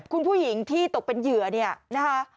คุณผู้หญิงที่ตกเป็นเหยื่อเนี่ยนะคะ